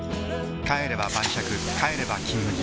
帰れば晩酌帰れば「金麦」